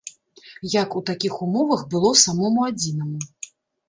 Як у такіх умовах было самому адзінаму?